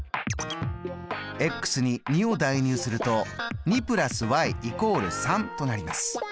に２を代入すると２＋＝３となります。